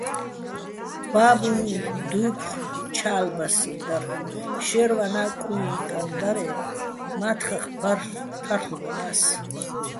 ბაბუიჼ დუფხო̆ ჩა́ლბასიჼ დარ, შერვანა́ კუიჼ კან დარე́ მა́თხახ თარლ'ვორა́ს.